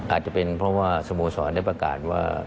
อาจจะเป็นเพราะว่าสโมสรได้ประกาศว่า